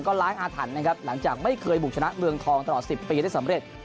ก็ล้างอาถรรพ์นะครับหลังจากไม่เคยบุกชนะเมืองทองตลอด๑๐ปีได้สำเร็จ